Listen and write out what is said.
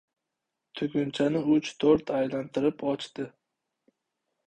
Tugunchani uch-to‘rt aylantirib ochdi.